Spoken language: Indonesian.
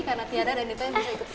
karena tiara dan nita yang bisa hidup